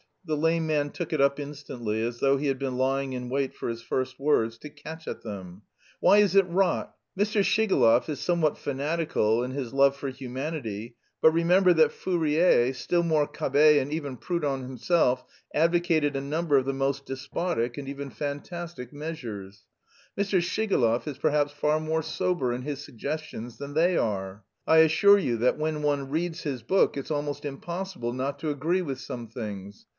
The lame man took it up instantly, as though he had been lying in wait for his first words to catch at them. "Why is it rot? Mr. Shigalov is somewhat fanatical in his love for humanity, but remember that Fourier, still more Cabet and even Proudhon himself, advocated a number of the most despotic and even fantastic measures. Mr. Shigalov is perhaps far more sober in his suggestions than they are. I assure you that when one reads his book it's almost impossible not to agree with some things.